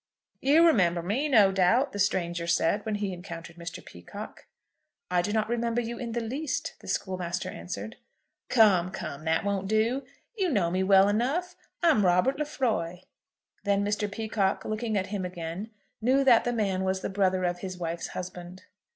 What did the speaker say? "You remember me, no doubt," the stranger said, when he encountered Mr. Peacocke. "I do not remember you in the least," the schoolmaster answered. "Come, come; that won't do. You know me well enough. I'm Robert Lefroy." Then Mr. Peacocke, looking at him again, knew that the man was the brother of his wife's husband.